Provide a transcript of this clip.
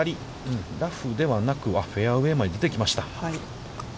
ラフではなく、フェアウェイまで出てきました。